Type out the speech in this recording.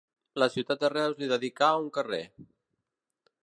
La ciutat de Reus li dedicà un carrer.